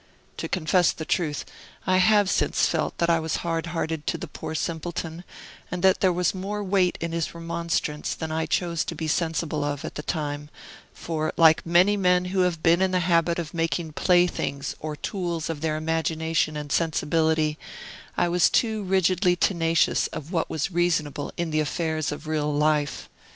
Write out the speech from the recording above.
To confess the truth, I have since felt that I was hard hearted to the poor simpleton, and that there was more weight in his remonstrance than I chose to be sensible of, at the time; for, like many men who have been in the habit of making playthings or tools of their imagination and sensibility, I was too rigidly tenacious of what was reasonable in the affairs of real life.